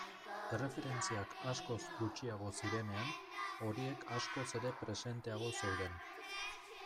Erreferentziak askoz gutxiago zirenean, horiek askoz ere presenteago zeuden.